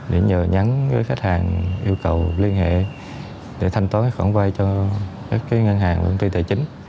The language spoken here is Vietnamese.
để nhờ nhắn với khách hàng yêu cầu liên hệ để thanh toán khoản vay cho các ngân hàng công ty tài chính